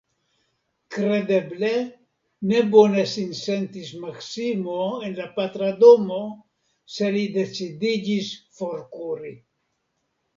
Kredeble, ne bone sin sentis Maksimo en la patra domo, se li decidiĝis forkuri.